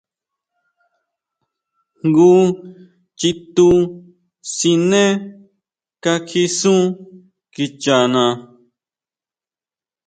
Jngu chitu siné kakji sún kicha nhán.